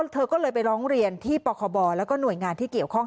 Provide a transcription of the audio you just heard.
เธอก็เลยไปร้องเรียนที่ปคบแล้วก็หน่วยงานที่เกี่ยวข้อง